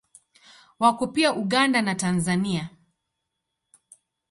Wako pia Uganda na Tanzania.